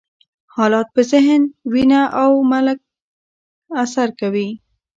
حالات په ذهن، وینه او ملکه اثر کوي.